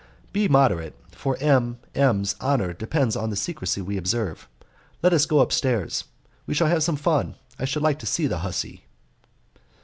"Be moderate, for M M s honour depends on the secrecy we observe. Let us go upstairs. We shall have some fun. I should like to see the hussy."